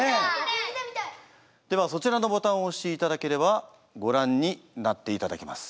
ではそちらのボタンを押していただければご覧になっていただけます。